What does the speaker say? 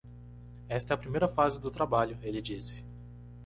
"Esta é a primeira fase do trabalho?" ele disse.